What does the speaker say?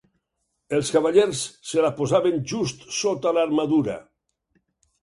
Els cavallers se la posaven just sota l'armadura.